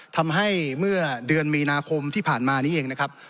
ทำให้เมื่อเดือนมีนาคมที่ผ่านมานี้เองนะครับ